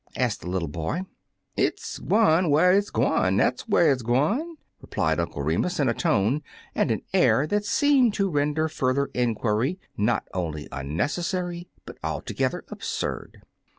asked the little boy. "It's gwine whar it's gwine, dat's whar it 's gwine," replied Uncle Remus, in a tone and with an air that seemed to render further mquiiy not only unnecessary, but altogether absurd.